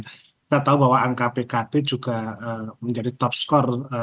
kita tahu bahwa angka pkp juga menjadi top skor